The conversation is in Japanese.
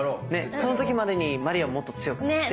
その時までに鞠杏ももっと強くなって。ね